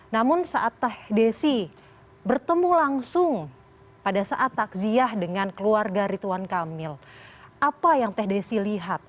namun saat teh desi bertemu langsung pada saat takziah dengan keluarga rituan kamil apa yang teh desi lihat